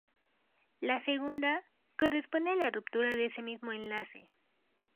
La segunda, corresponde a la ruptura de ese mismo enlace.